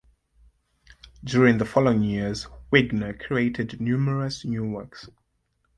During the following years Wagner created numerous new works.